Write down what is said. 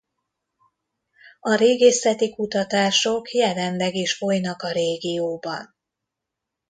A régészeti kutatások jelenleg is folynak a régióban.